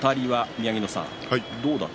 宮城野さん。